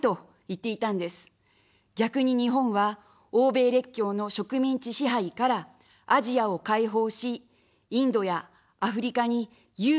逆に日本は欧米列強の植民地支配からアジアを解放し、インドやアフリカに勇気を与えました。